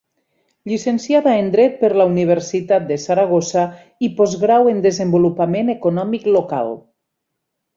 Llicenciada en Dret per la Universitat de Saragossa i Postgrau en Desenvolupament Econòmic Local.